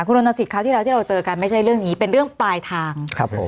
คุณโรนสิทธิ์คราวที่เราเจอกันไม่ใช่เรื่องนี้เป็นเรื่องปลายทาง